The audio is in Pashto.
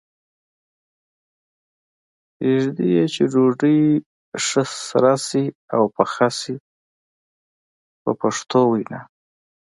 پرېږدي یې چې ډوډۍ ښه سره شي او پخه شي په پښتو وینا.